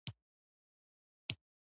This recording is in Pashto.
بهلول وویل: پنځوس دیناره.